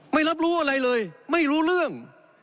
ไม่รับรู้อะไรเลยไม่รู้เรื่อง